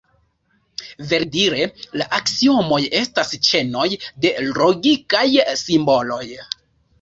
Verdire, la aksiomoj estas ĉenoj de logikaj simboloj.